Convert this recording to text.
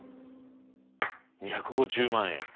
２５０万円。